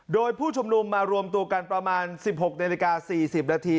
โดยผู้ชุมนุมมารวมตัวกันประมาณ๑๖นาฬิกา๔๐นาที